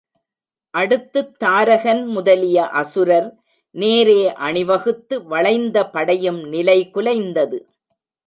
அடுத்துத் தாரகன் முதலிய அசுரர் நேரே அணிவகுத்து வளைந்த படையும் நிலை குலைந்தது.